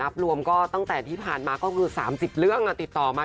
รวมก็ตั้งแต่ที่ผ่านมาก็คือ๓๐เรื่องติดต่อมา